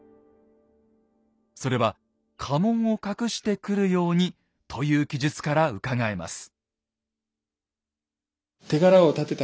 それは家紋を隠して来るようにという記述からうかがえます。